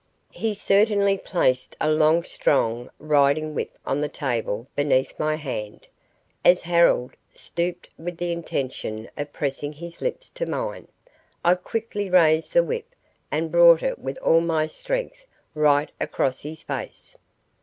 He certainly placed a long strong riding whip on the table beneath my hand! As Harold stooped with the intention of pressing his lips to mine, I quickly raised the whip and brought it with all my strength right across his face.